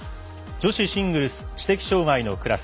女子シングルス知的障がいのクラス。